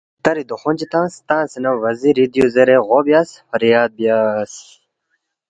کھلتری دخون چی تنگس، تنگسے نہ وزیری سی دیُو زیرے غو بیاس، فریاد بیاس،